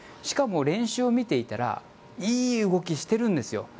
しかも、練習を見ていたらいい動きしてるんですよ。